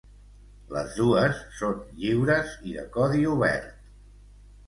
Les dues són lliures i codi obert.